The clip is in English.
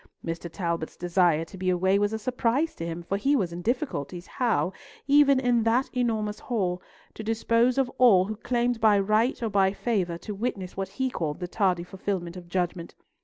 Mr. Talbot's desire to be away was a surprise to him, for he was in difficulties how, even in that enormous hall, to dispose of all who claimed by right or by favour to witness what he called the tardy fulfilment of judgment.